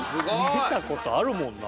見たことあるもんな。